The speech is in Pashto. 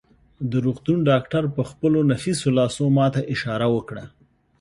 د روغتون ډاکټر په خپلو نفیسو لاسو ما ته اشاره وکړه.